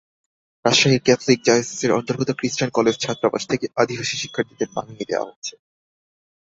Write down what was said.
রাজশাহীর ক্যাথলিক ডায়াসিসের অন্তর্গত খ্রিষ্টান কলেজ ছাত্রাবাস থেকে আদিবাসী শিক্ষার্থীদের নামিয়ে দেওয়া হচ্ছে।